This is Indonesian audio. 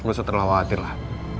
lo sotelah khawatir lah